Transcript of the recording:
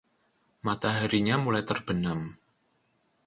Mataharinya mulai terbenam.